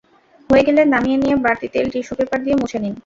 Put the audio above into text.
হয়ে গেলে নামিয়ে নিয়ে বাড়তি তেল টিস্যু পেপার দিয়ে মুছে নিন।